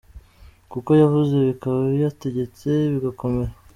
Kuko yavuze bikaba, Yategetse bigakomera.